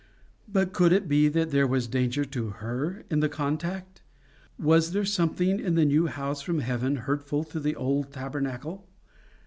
But could it be that there was danger to her in the contact? Was there something in the new house from Heaven hurtful to the old tabernacle?